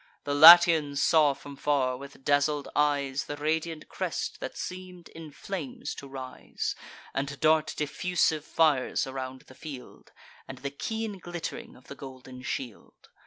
The Latians saw from far, with dazzled eyes, The radiant crest that seem'd in flames to rise, And dart diffusive fires around the field, And the keen glitt'ring of the golden shield.